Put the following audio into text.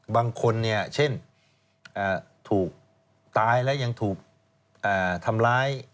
บางคนเช่นถูกตายและยังถูกทำร้าย